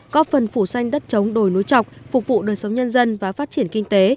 có phần phủ xanh đất chống đồi núi trọc phục vụ đời sống nhân dân và phát triển kinh tế